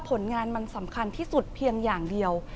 ผลงานมันสำคัญที่สุดเพียงอย่างเดียว